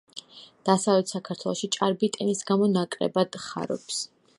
დასავლეთ საქართველოში ჭარბი ტენის გამო ნაკლებად ხარობს.